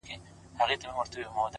• په مجلس نه مړېدل سره خواږه وه,